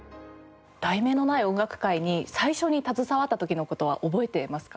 『題名のない音楽会』に最初に携わった時の事は覚えてますか？